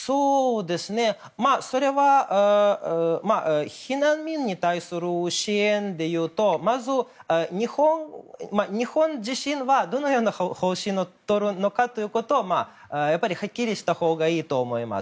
それは避難民に対する支援でいうとまず、日本自身はどのような方針をとるのかということをはっきりしたほうがいいと思います。